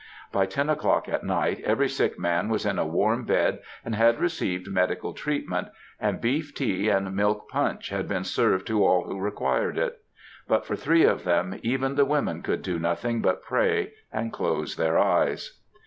By ten o'clock at night, every sick man was in a warm bed, and had received medical treatment; and beef tea and milk punch had been served to all who required it. But for three of them even the women could do nothing but pray, and close their eyes.